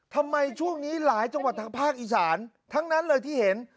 ทำไมช่วงนี้หลายจังหวัดทางภาคอีสานทั้งนั้นเลยที่เห็น